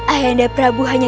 ayahanda prabu hanya